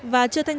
và chưa thành công